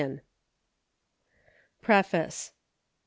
PREFACE.